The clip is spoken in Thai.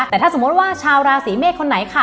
แต่ถ้าสมมติว่าชาวราศีเมษคนไหนค่ะ